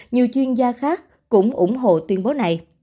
nhiều chuyên gia khác cũng ủng hộ tuyên bố này